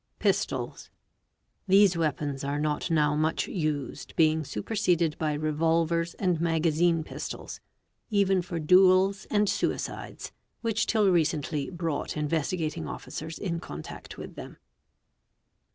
PISTOLS. These weapons are not now much used, being superseded by Revolvers and Magazine Pistols, even for duels and suicides, which till recently brought Investigating Officers in contact with them.